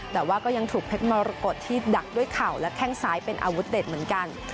แต่ว่าก็ยังถูกเพชรมรกฏที่ดักด้วยเข่าและแข้งซ้ายเป็นอาวุธเด็ดเหมือนกัน